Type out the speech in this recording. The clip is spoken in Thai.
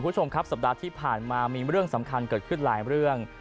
คุณผู้ชมครับสัปดาห์ที่ผ่านมามีเรื่องสำคัญเกิดขึ้นหลายเรื่อง